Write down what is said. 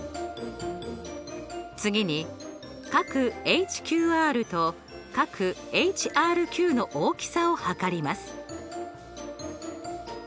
次に角ＨＱＲと角ＨＲＱの大きさを測ります。